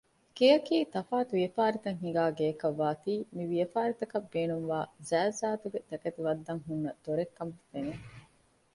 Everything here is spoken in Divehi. ގެޔަކީ ތަފާތު ވިޔަފާރިތައް ހިނގާ ގެއަކަށް ވާތީ މިވިޔަފާރިތަކަށް ބޭނުންވާ ޒާތްޒާތުގެ ތަކެތި ވައްދަން ހުންނަ ދޮރެއްކަމަށް ފެނެ